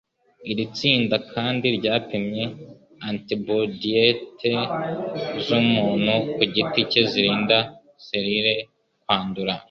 Iri tsinda kandi ryapimye antibodiyite z'umuntu ku giti cye, zirinda selile kwandura.